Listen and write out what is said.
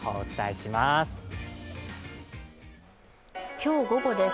今日午後です